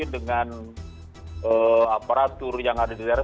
dengan aparatur yang ada di daerah